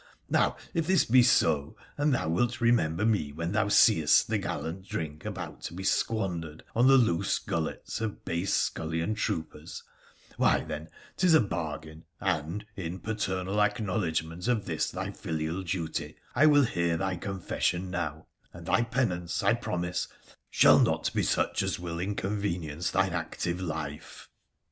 Now, if this be so, and thou wilt remem ber me when thou seest the gallant drink about to be squan dered on the loose gullets of base, scullion troopers, why then 'tis a bargain, and, in paternal acknowledgment of this thy filial duty, I will hear thy confession now, and thy penance, I promise, shall not be such as will inconvenience thine active life.'